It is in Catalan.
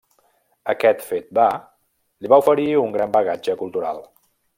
Aquest fet va li va oferir un gran bagatge cultural.